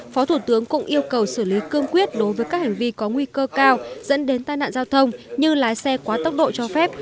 phó thủ tướng cũng yêu cầu xử lý cương quyết đối với các hành vi có nguy cơ cao dẫn đến tai nạn giao thông như lái xe quá tốc độ cho phép